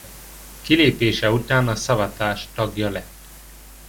Kilépése után a Savatage tagja lett.